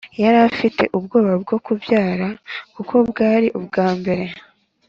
Yarafite ubwoba bwo kubyara kuko bwari ubwambere